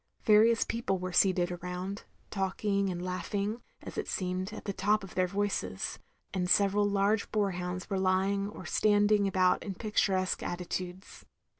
Various people were seated arotmd, talking and laughing, as it seemed, at the top of their voices ; and several large boar hounds were lying or standing about in pic turesque attitudes.